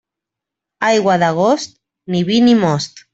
Aigua d'agost, ni vi ni most.